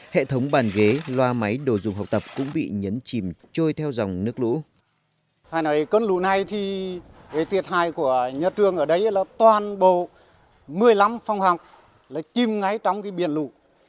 hệ thống bàn ghế loa máy đồ dùng học tập cũng bị nhấn chìm trôi theo dòng nước lũ